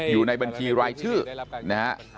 อยู่ในบัญชีรายชื่อนะฮะ